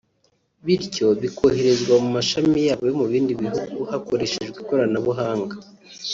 bityo bikoherezwa mu mashami yabo yo mu bindi bihugu hakoreshejwe ikoranabuhanga